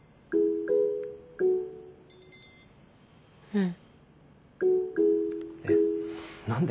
うん。